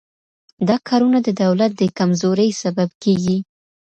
دا کارونه د دولت د کمزورۍ سبب کیږي.